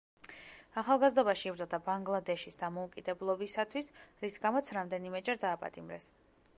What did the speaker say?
ახალგაზრდობაში იბრძოდა ბანგლადეშის დამოუკიდებლობისათვის, რის გამოც რამდენიმეჯერ დააპატიმრეს.